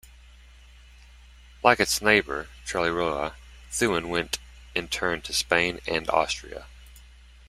Like its neighbour Charleroi, Thuin went in turn to Spain and Austria.